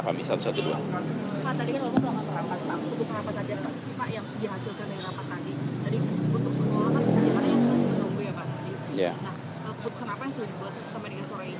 pak tadi ini lalu lalu terang terang itu kenapa saja pak yang dihasilkan yang apa tadi